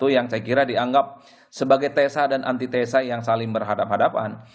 yang saya kira dianggap sebagai tesa dan antitesa yang saling berhadapan hadapan